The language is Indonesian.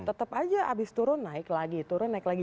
tetap aja habis turun naik lagi turun naik lagi